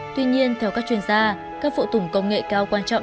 tuy nhiên theo các chuyên gia các phụ tùng công nghệ cao quan trọng